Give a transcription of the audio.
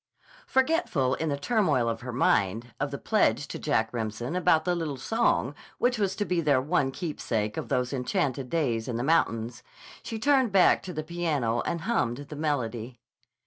Forgetful, in the turmoil of her mind, of the pledge to Jack Remsen about the little song which was to be their one keepsake of those enchanted days in the mountains, she turned back to the piano and hummed the melody.